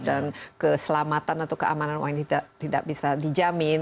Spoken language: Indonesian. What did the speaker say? dan keselamatan atau keamanan uang ini tidak bisa dijamin